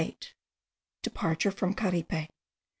DEPARTURE FROM CARIPE.